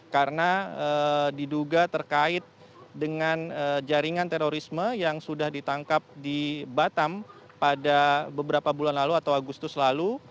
karena diduga terkait dengan jaringan terorisme yang sudah ditangkap di batam pada beberapa bulan lalu atau agustus lalu